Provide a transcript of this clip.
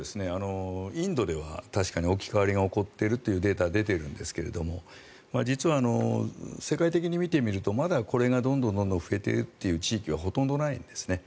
インドでは確かに置き換わりが起こっているというデータが出ているんですが実は世界的に見てみるとまだこれがどんどん増えているという地域はほとんどないんですね。